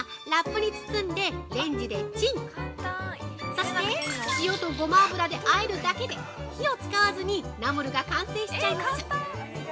そして塩とごま油であえるだけで火を使わずにナムルが完成しちゃいます！